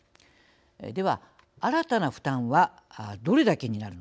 では新たな負担はどれだけになるのか。